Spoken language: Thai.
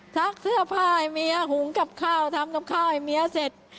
ซักเสื้อผ้าให้เมียหุงกับข้าวทำกับข้าวให้เมียเสร็จ